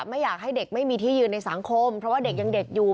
ไม่อยากให้เด็กไม่มีที่ยืนในสังคมเพราะว่าเด็กยังเด็กอยู่